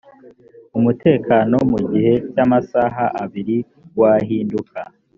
umutekano mu gihe cy amasaha abiri wahinduka